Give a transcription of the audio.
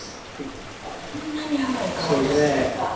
こんなに甘い香りがするんだ